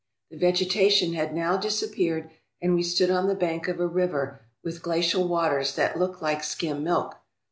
The vegetation had now disappeared and we stood on the bank of a river with glacial waters that looked like skim milk.